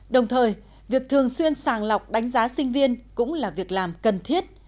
đồng thời việc thường xuyên sàng lọc đánh giá sinh viên cũng là việc làm cần thiết